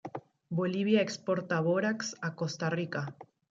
Bolivia exporta Bórax a Costa Rica.